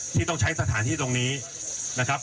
ที่ต้องใช้สถานที่ตรงนี้นะครับ